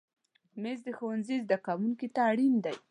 مېز د ښوونځي زده کوونکي ته اړین دی.